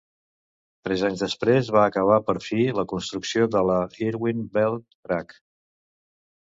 Tres anys després, va acabar per fi la construcció de la Irwin Belk Track.